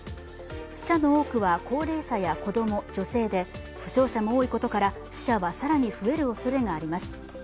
死者の多くは高齢者や子供、女性で負傷者も多いことから、死者は更に増えるおそれがあります。